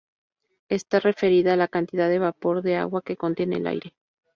Está referida a la cantidad de vapor de agua que contiene el aire.